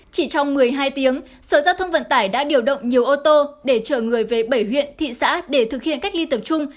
chỉ trong một mươi hai tiếng sở giao thông vận tải đã điều động nhiều ô tô để chở người về bảy huyện thị xã để thực hiện cách ly tập trung